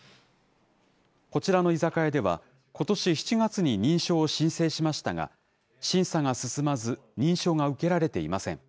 こちらの居酒屋では、ことし７月に認証を申請しましたが、審査が進まず、認証が受けられていません。